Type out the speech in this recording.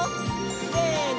せの！